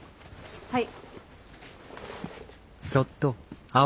はい。